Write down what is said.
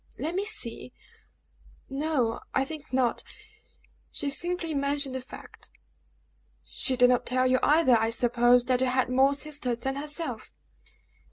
"Let me see no I think not she simply mentioned the fact." "She did not tell you either, I suppose, that you had more sisters than herself?"